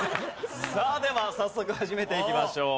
さあでは早速始めていきましょう。